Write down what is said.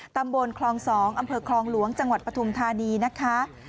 ตำบลคลอง๒อำเภอคลองหลวงจังหวัดปฐุมธานีนะคะ